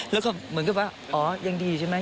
แล้วก็เหมือนกับว่าอ๋อยังดีใช่ไหม